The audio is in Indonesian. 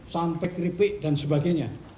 sampai keripik dan sebagainya